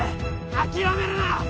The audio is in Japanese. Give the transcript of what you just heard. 諦めるな！